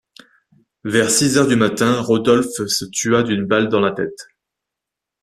Vers six heures du matin, Rodolphe se tua d'une balle dans la tête.